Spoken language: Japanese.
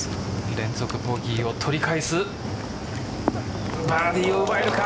連続ボギーを取り返すバーディーを奪えるか。